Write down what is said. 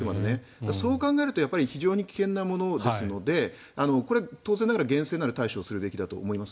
そう考えると非常に危険なものですのでこれは当然ながら厳正な対処をするべきだと思います。